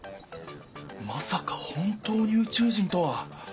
まさか本当に宇宙人とは。